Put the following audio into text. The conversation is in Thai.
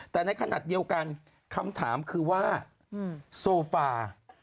แต่ในขณะเดียวกันคำถามคือว่าโซฟา